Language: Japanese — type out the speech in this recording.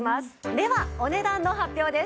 ではお値段の発表です。